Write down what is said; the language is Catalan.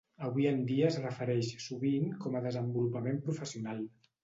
Avui en dia es refereix sovint com a desenvolupament professional.